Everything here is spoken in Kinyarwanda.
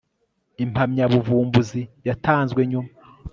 impamyabuvumbuzi yatanzwe nyuma